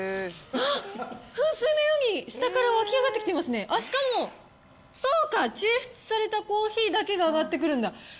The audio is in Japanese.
あっ、噴水のように下から湧き上がってきてますね、ああ、しかも、そうか、抽出されたコーヒーだけが上がってくるんだ。